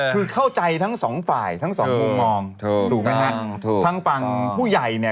คือเข้าใจทั้งสองฝ่ายทั้งสองมุมมองถูกไหมฮะทั้งฝั่งผู้ใหญ่เนี่ย